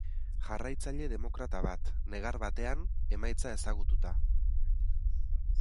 Jarraitzaile demokrata bat, negar batean, emaitza ezagututa.